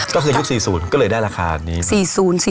ก็คือยุค๔๐ก็เลยได้ราคานี้